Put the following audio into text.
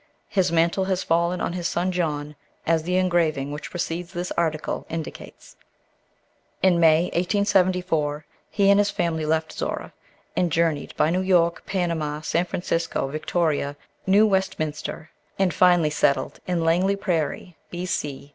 His mantle has fallen on his son John, as the engraving which precedes this article indicates. In May, 1874, he and his family left Zorra and journeyed by New York, Panama, San Francisco, Victoria, New Westminster, and finally settled in Langley Prairie, B.C.